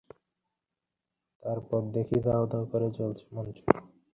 তিনি নেপালি ঐতিহ্যবাহী স্থাপত্যের সাথে পাশ্চাত্য রীতির স্থাপত্যেও অভিজ্ঞ ছিলেন।